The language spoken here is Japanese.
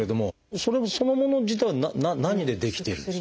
それそのもの自体は何で出来ているんです？